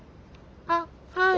あっはい！